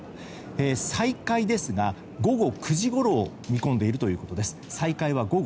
再開ですが、午後９時ごろを見込んでいるということです。